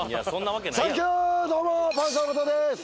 どうもパンサー尾形です。